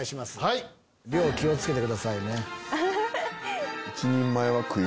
量気を付けてくださいね。